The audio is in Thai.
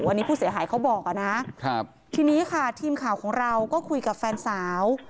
อันนี้ผู้เสียหายเขาบอกอ่ะนะครับทีนี้ค่ะทีมข่าวของเราก็คุยกับแฟนสาว